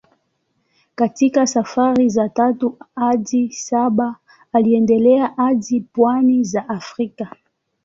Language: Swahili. Katika safari za tatu hadi saba aliendelea hadi pwani za Afrika.